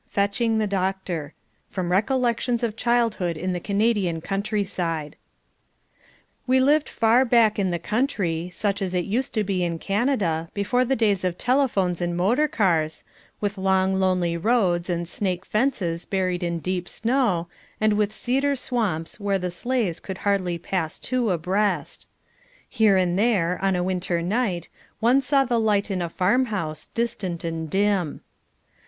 Fetching the Doctor: From Recollections of Childhood in the Canadian Countryside We lived far back in the country, such as it used to be in Canada, before the days of telephones and motor cars, with long lonely roads and snake fences buried in deep snow, and with cedar swamps where the sleighs could hardly pass two abreast. Here and there, on a winter night, one saw the light in a farm house, distant and dim.